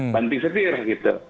banting setir gitu